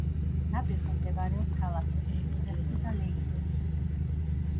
ნაპირზე მდებარეობს ქალაქები: უტრეხტი და ლეიდენი.